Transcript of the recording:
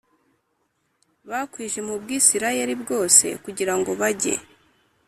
Bakwijwe mu bwisirayeli bwose kugira ngo bajye